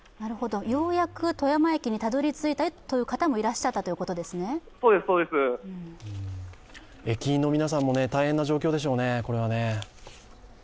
ようやく富山駅にたどり着いたという方もいらっしゃったということですね駅員の皆さんも大変な状況でしょうね。